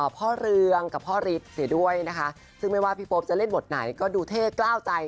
เรืองกับพ่อฤทธิ์เสียด้วยนะคะซึ่งไม่ว่าพี่โป๊ปจะเล่นบทไหนก็ดูเท่กล้าวใจ